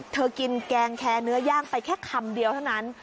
กินแกงแคร์เนื้อย่างไปแค่คำเดียวเท่านั้น